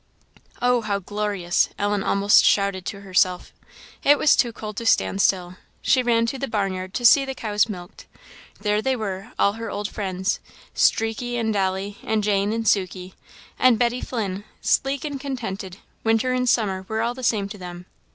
"Oh, how glorious!" Ellen almost shouted to herself. It was too cold to stand still; she ran to the barnyard to see the cows milked. There they were all her old friends Streaky and Dolly, and Jane and Sukey, and Betty Flynn sleek and contented; winter and summer were all the same to them.